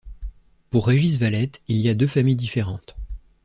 Pour Régis Valette, il y a deux familles différentes.